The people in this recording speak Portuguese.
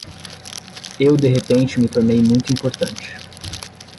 Eu de repente me tornei muito importante.